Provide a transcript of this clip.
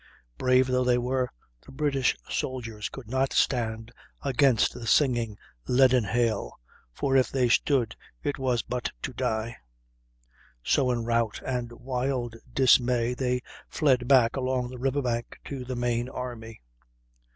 Brave though they were, the British soldiers could not stand against the singing, leaden hail, for if they stood it was but to die. So in rout and wild dismay they fled back along the river bank, to the main army.